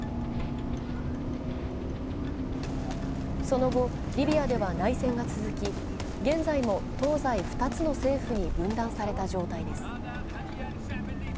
その後、リビアでは内戦が続き、現在も東西２つの政府に分断された状態です。